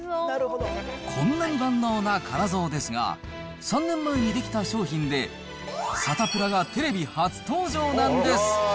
こんなに万能な唐三ですが、３年前に出来た商品で、サタプラがテレビ初登場なんです。